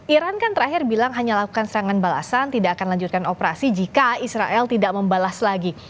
iran kan terakhir bilang hanya lakukan serangan balasan tidak akan lanjutkan operasi jika israel tidak membalas lagi